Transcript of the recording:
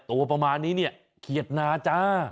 ตัวประมาณนี้เนี่ยเขียดนาจ้า